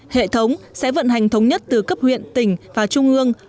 hệ thống sẽ vận hành thống nhất từ cấp huyện tỉnh và trung ương